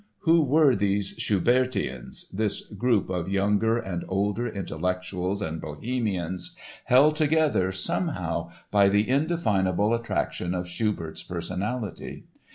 Who were these "Schubertians," this group of younger and older intellectuals and Bohemians held together, somehow, by the indefinable attraction of Schubert's personality?